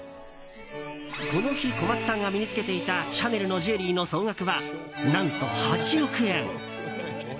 この日小松さんが身に着けていたシャネルのジュエリーの総額は何と８億円。